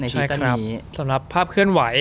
ช่วงนี้สำหรับภาพเคลื่อนไหว